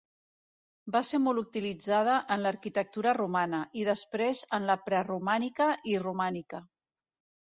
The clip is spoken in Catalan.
Va ser molt utilitzada en l'arquitectura romana i després en la preromànica i romànica.